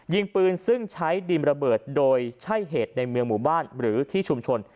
ยิงปืนซึ่งใช้ดินระเบิดโดยใช่เหตุในเมืองหมู่บ้านหรือที่ชุมชน